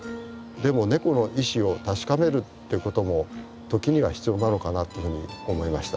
でもネコの意思を確かめるってことも時には必要なのかなってふうに思いました。